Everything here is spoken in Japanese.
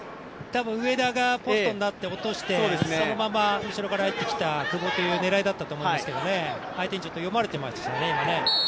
多分、上田がポストになって落としてそのまま後ろから入ってきた久保という狙いだったと思いますが相手にちょっと読まれてましたね。